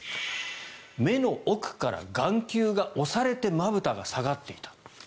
目の奥から眼球が押されてまぶたが下がっていた。